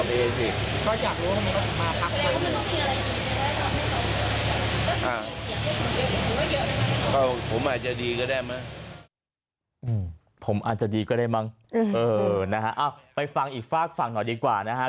เออนะฮะไปฟังอีกฟากฝั่งหน่อยดีกว่านะฮะ